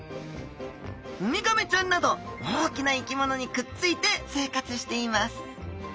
ウミガメちゃんなど大きな生き物にくっついて生活しています。